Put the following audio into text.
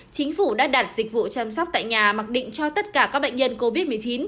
chính phủ đã đặt dịch vụ chăm sóc tại nhà mặc định cho tất cả các bệnh nhân covid một mươi chín